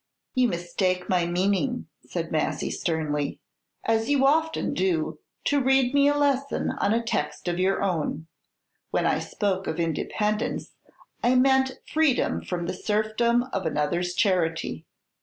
"You mistake my meaning," said Massy, sternly, "as you often do, to read me a lesson on a text of your own. When I spoke of independence, I meant freedom from the serfdom of another's charity.